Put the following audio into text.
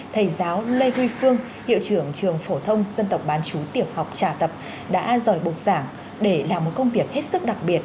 thầy giáo lê huy phương hiệu trưởng trường phổ thông dân tộc bán chú tiểu học trà tập đã rời bục giảng để làm một công việc hết sức đặc biệt